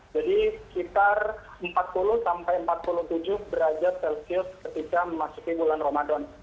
jadi sekitar empat puluh empat puluh tujuh derajat celcius ketika memasuki bulan ramadan